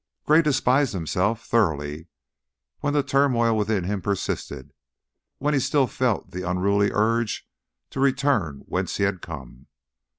Gray despised himself thoroughly when the turmoil within him persisted; when he still felt the unruly urge to return whence he had come.